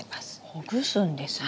ほぐすんですね。